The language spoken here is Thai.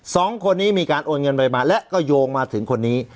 สองคนนี้มีการโอนเงินไปมาและก็โยงมาถึงคนนี้